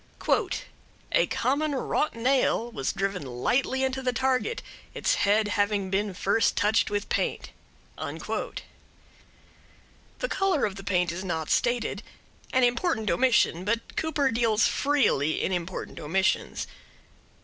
"A common wrought nail was driven lightly into the target, its head having been first touched with paint." The color of the paint is not stated an important omission, but Cooper deals freely in important omissions.